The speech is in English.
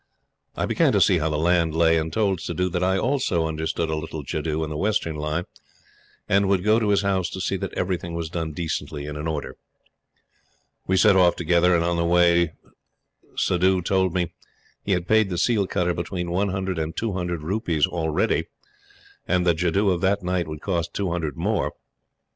I began to see how the land lay, and told Suddhoo that I also understood a little jadoo in the Western line, and would go to his house to see that everything was done decently and in order. We set off together; and on the way Suddhoo told me he had paid the seal cutter between one hundred and two hundred rupees already; and the jadoo of that night would cost two hundred more.